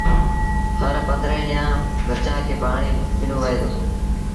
هر پنڌرين ڏيݩهآ ن مرچآݩ کي پآڻي ڏنو وهي دو